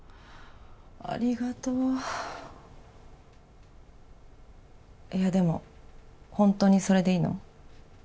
ありがとういやでもほんとにそれでいいの？